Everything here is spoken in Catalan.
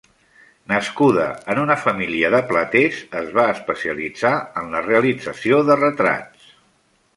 Nascuda en una família de platers, es va especialitzar en la realització de retrats.